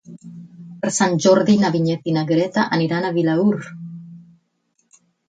Per Sant Jordi na Vinyet i na Greta aniran a Vilaür.